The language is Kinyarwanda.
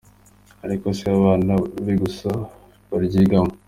Ariko si abana be gusa baryigamo.